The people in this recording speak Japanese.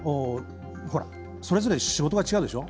ほら、それぞれ仕事が違うでしょ。